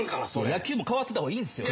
野球も変わってった方がいいんすよ。